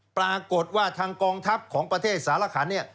ปรากฏว่าทางกองทัพของประเทศสารขันเนี่ย